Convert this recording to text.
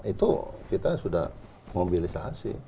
itu kita sudah mobilisasi